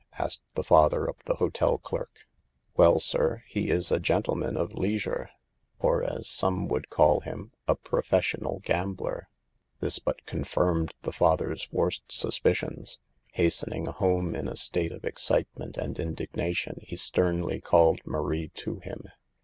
asked the father, of the hotel clerk. THE EVILS OF DANCING. 71 "Well, sir, he is a 'gentleman of leisure,' or, as some would call him, a professional gambler." This but confirmed the father's worst sus picions. Hastening home in a state of excite ment and indignation, he sternly called Marie to him.